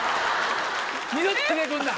二度と出てくんな！